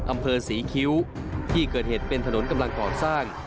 อำเภอศรีคิ้วที่เกิดเหตุเป็นถนนกำลังก่อสร้าง